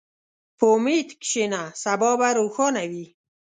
په امید کښېنه، سبا به روښانه وي.